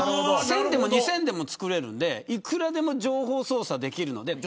１０００でも２０００でも作れるのでいくらでも情報操作できるので。